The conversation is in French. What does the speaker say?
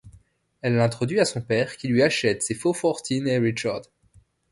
Elle l’introduit à son père qui lui achète ses faux Fortin et Richard.